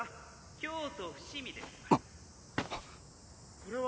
「京都伏見ですわ」。